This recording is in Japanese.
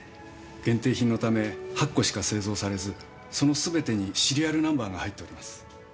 限定品のため８個しか製造されずそのすべてにシリアルナンバーが入っております。